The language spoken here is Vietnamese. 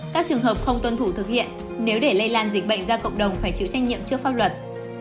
các trường hợp không tuân thủ thực hiện nếu để lây lan dịch bệnh ra cộng đồng phải chịu trách nhiệm trước pháp luật